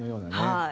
はい。